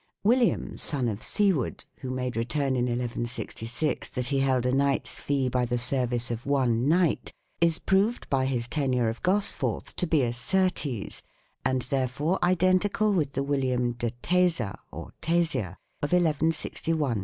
William, son of Siward, who made return in 1166 that he held a knight's fee by the service of one knight l is proved by his tenure of Gosforth to be a Surtees, 2 and, therefore, identical with the William u de Tesa" (or "Tesia") of ii6i n62.